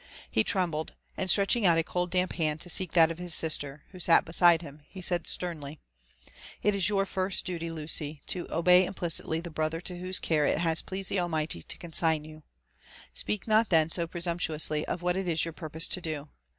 He trembled — ^and stretching out a cold damp hand to seek that of his sister, who sat beside him, he said sternly, *' It is your first duty, Lucy, to obey implicitly the brother to whose care it has pleased the Almighty to consign you ;»4peak not then so presumptuously of what it is your purpose to do.